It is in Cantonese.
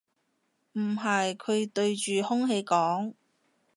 唔係，佢對住空氣講